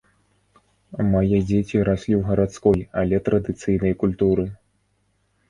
Мае дзеці раслі ў гарадской, але традыцыйнай культуры.